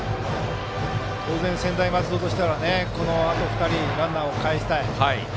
当然、専大松戸としてはこのあと２人ランナーをかえしたい。